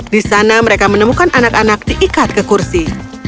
di sana mereka menemukan anak anak diikat ke kursi